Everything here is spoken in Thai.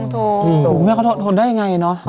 โอ้คุณแม่กระทงได้ไงเนาะ